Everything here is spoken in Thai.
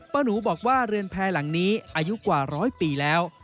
หนูบอกว่าเรือนแพรหลังนี้อายุกว่าร้อยปีแล้ว